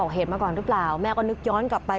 เหตุมาก่อนหรือเปล่าแม่ก็นึกย้อนกลับไป